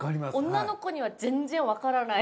女の子には全然わからない。